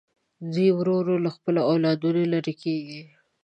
دوی ورو ورو له خپلو اولادونو لرې کېږي.